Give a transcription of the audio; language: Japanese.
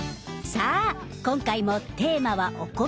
さあ今回もテーマはお米です。